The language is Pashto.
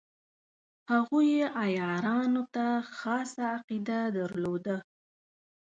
هغوی عیارانو ته خاصه عقیده درلوده.